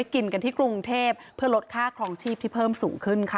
กินกันที่กรุงเทพเพื่อลดค่าครองชีพที่เพิ่มสูงขึ้นค่ะ